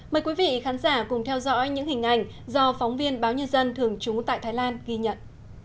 mời quý vị khán giả cùng theo dõi những hình ảnh do phóng viên báo nhân dân thường trú tại thái lan ghi nhận